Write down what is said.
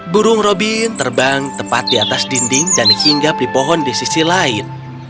burung robin terbang tepat di atas dinding dan hingga pripohon di sisi lain